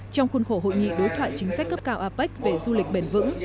trong khuôn khổ hội nghị đối thoại chính sách cấp cao apec về du lịch bền vững